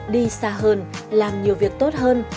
đi xa hơn làm nhiều việc tốt hơn